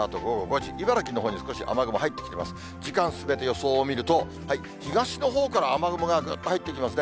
時間進めて予想を見ると、東のほうから雨雲がぐっと入ってきますね。